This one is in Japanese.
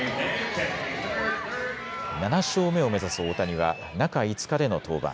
７勝目を目指す大谷は中５日での登板。